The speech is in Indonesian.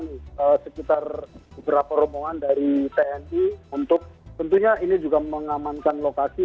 ini sekitar beberapa rombongan dari tni untuk tentunya ini juga mengamankan lokasi